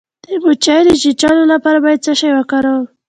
د مچۍ د چیچلو لپاره باید څه شی وکاروم؟